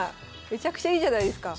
めちゃくちゃいいじゃないですか。